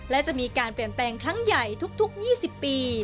และจะมีการเปลี่ยนแปลงครั้งใหญ่ทุก๒๐ปี